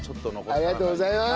ありがとうございます！